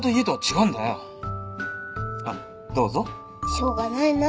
しょうがないな。